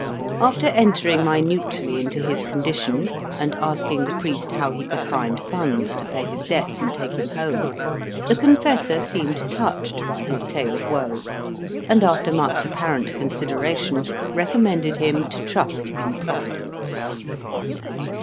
After entering minutely into his condition, and asking the priest how he could find funds to pay his debts and take him home, the confessor seemed touched by his tale of woe, and after much apparent consideration recommended him to trust in Providence.